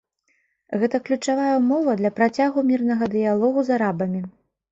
Гэта ключавая ўмова для працягу мірнага дыялогу з арабамі.